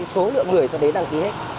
số lượng người ta đến đăng ký hết